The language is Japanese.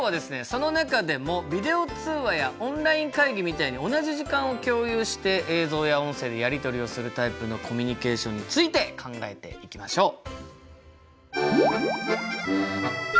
その中でもビデオ通話やオンライン会議みたいに同じ時間を共有して映像や音声でやり取りをするタイプのコミュニケーションについて考えていきましょう。